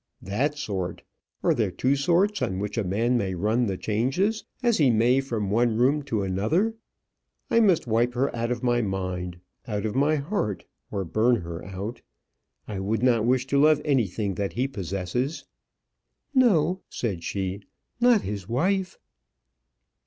"That sort! Are there two sorts on which a man may run the changes, as he may from one room to another? I must wipe her out of my mind out of my heart or burn her out. I would not wish to love anything that he possesses." "No!" said she, "not his wife."